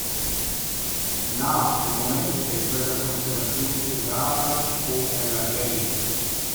Na, el mument ei quella constellaziun sedada sco ella ei.